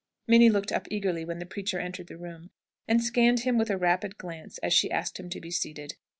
Minnie looked up eagerly when the preacher entered the room, and scanned him with a rapid glance as she asked him to be seated.